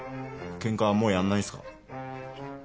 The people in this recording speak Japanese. ケンカはもうやんないんすか？